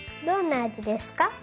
どんなあじですか？